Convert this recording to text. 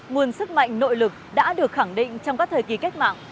nguồn sức mạnh nội lực đã được khẳng định trong các thời kỳ cách mạng